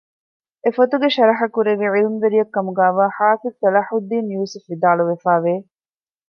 އެ ފޮތުގެ ޝަރަޙަކުރެއްވި ޢިލްމުވެރިޔަކުކަމުގައިވާ ޙާފިޡު ޞަލާޙުއްދީނު ޔޫސުފު ވިދާޅުވެފައިވެ